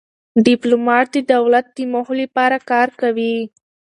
ډيپلومات د دولت د موخو لپاره کار کوي.